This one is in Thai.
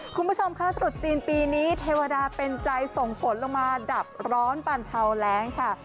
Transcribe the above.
คุณผู้ชมคะตรุษจีนปีนี้เทวดาเป็นใจส่งฝนลงมาดับร้อนบรรเทาแรงค่ะ